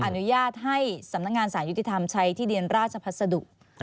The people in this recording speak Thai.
อนุญาตให้สำนักงานสารยุติธรรมใช้ที่ดินราชพัสดุ